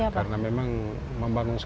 karena memang membangunnya